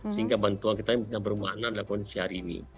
sehingga bantuan kita bisa bermanfaat dalam kondisi hari ini